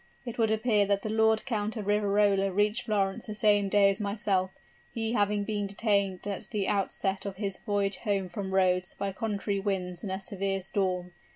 It would appear that the Lord Count of Riverola reached Florence the same day as myself, he having been detained at the outset of his voyage home from Rhodes by contrary winds and a severe storm.